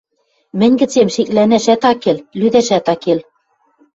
Мӹнь гӹцем шеклӓнӓшӓт ак кел, лӱдӓшӓт ак кел.